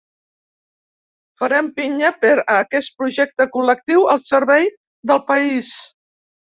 Farem pinya per a aquest projecte col·lectiu al servei del país!